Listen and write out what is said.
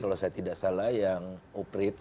kalau saya tidak salah yang operate